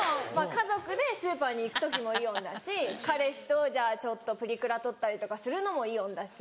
家族でスーパーに行く時もイオンだし彼氏とじゃあちょっとプリクラ撮ったりとかするのもイオンだし。